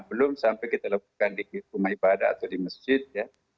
belum sampai kita lakukan di rumah ibadah atau di masjid ya